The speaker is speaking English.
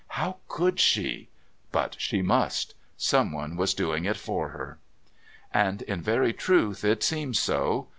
How could she? But she must. Someone was doing it for her. And in very truth it seemed so.